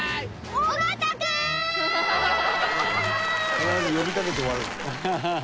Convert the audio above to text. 「必ず呼びかけて終わるんだね」